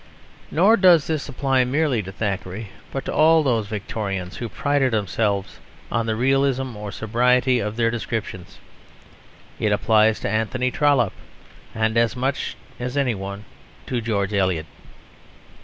Nor does this apply merely to Thackeray, but to all those Victorians who prided themselves on the realism or sobriety of their descriptions; it applies to Anthony Trollope and, as much as any one, to George Eliot.